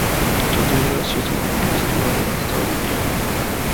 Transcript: Todo ello ha sido preservado hasta hoy día.